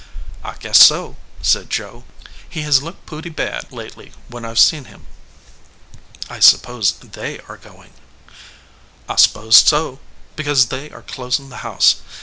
"I guess so," said Joe. "He has looked pooty bad lately when I ve seen him." "I suppose They are goin ?" "I s pose so, because they are closiri the house.